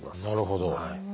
なるほど。